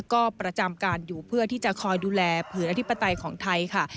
ก็ประจำการอยู่เพื่อที่จะคอยดูแลผืนอธิปไตยของไทยค่ะ